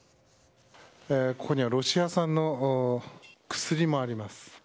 ここにはロシア産の薬もあります。